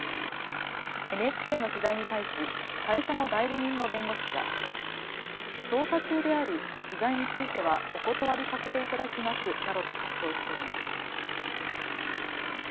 ＮＨＫの取材に対し会社の代理人の弁護士は捜査中であり取材についてはお断りさせていただきますなどと回答しています。